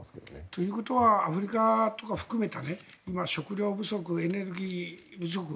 ということはアフリカとか含めた今、食料不足、エネルギー不足。